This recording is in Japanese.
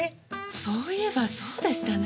そういえばそうでしたね。